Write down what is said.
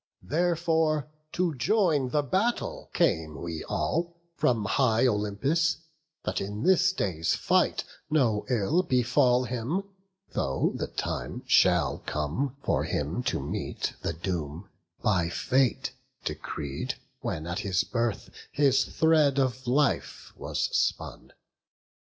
Therefore, to join the battle, came we all From high Olympus, that in this day's fight No ill befall him; though the time shall come For him to meet the doom, by fate decreed, When at his birth his thread of life was spun.